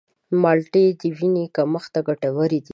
مالټې د وینې کمښت ته ګټورې دي.